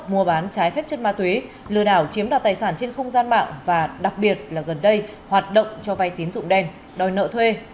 mua bán trái phép chất ma túy lừa đảo chiếm đoạt tài sản trên không gian mạng và đặc biệt là gần đây hoạt động cho vay tín dụng đen đòi nợ thuê